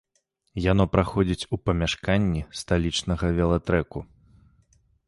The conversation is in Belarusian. Яно праходзіць у памяшканні сталічнага велатрэку.